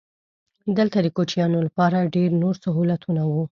دلته د کوچیانو لپاره ډېر نور سهولتونه وو.